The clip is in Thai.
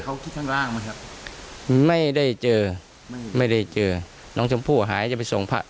เขาคิดข้างล่างไหมครับไม่ได้เจอไม่ได้เจอน้องชมพู่หายจะไปส่งพระ